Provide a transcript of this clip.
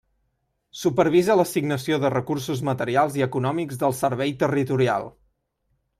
Supervisa l'assignació de recursos materials i econòmics del Servei Territorial.